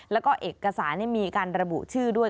แล้วก็เอกสารมีการระบุชื่อด้วย